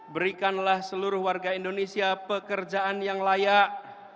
berikanlah seluruh warga indonesia pekerjaan yang layak